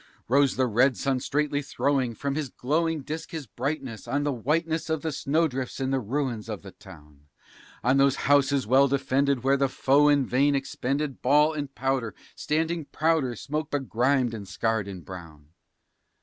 Rose the red sun, straightly throwing from his glowing disk his brightness On the whiteness of the snowdrifts and the ruins of the town On those houses well defended, where the foe in vain expended Ball and powder, standing prouder, smoke begrimed and scarred and brown.